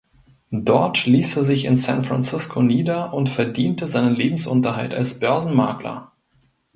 Dort ließ er sich in San Francisco nieder und verdiente seinen Lebensunterhalt als Börsenmakler.